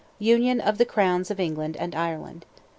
UNION OF THE CROWNS OF ENGLAND AND IRELAND.